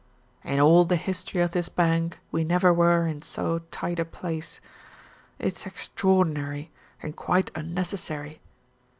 "In all the history of this bank we never were in so tight a place. It's extraordinary, and quite unnecessary.